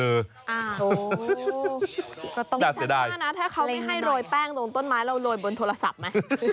โอ้โฮต้องมีชาวบ้านนะถ้าเขาไม่ให้โรยแป้งตรงต้นไม้เราโรยบนโทรศัพท์ไหม